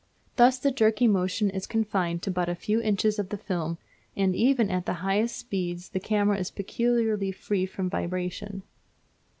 Thus the jerky motion is confined to but a few inches of the film, and even at the highest speeds the camera is peculiarly free from vibration.